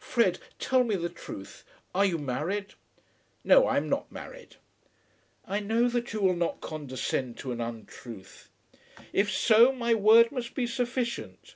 "Fred, tell me the truth. Are you married?" "No; I am not married." "I know that you will not condescend to an untruth." "If so, my word must be sufficient."